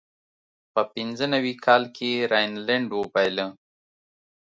په پینځه نوي کال کې یې راینلنډ وبایله.